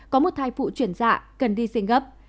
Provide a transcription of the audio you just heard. có một thai phụ chuyển dạ cần đi sinh gấp